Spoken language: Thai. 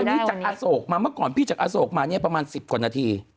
อันนี้จากอโศกมาเมื่อก่อนพี่จากอโศกมาเนี่ยประมาณ๑๐กว่านาที